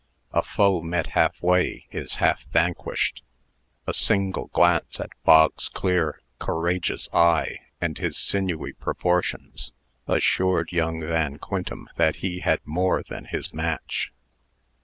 A foe met halfway is half vanquished. A single glance at Bog's clear, courageous eye, and his sinewy proportions, assured young Van Quintem that he had more than his match.